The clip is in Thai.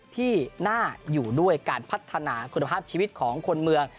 ที่น่าอยู่ด้วยการพัฒนาคุณภาพชีวิตของคนเมือง